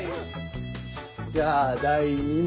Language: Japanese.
じゃあ第２問。